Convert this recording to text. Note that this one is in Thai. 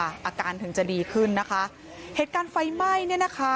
อาการถึงจะดีขึ้นนะคะเหตุการณ์ไฟไหม้เนี่ยนะคะ